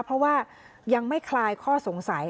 เพราะว่ายังไม่คลายข้อสงสัย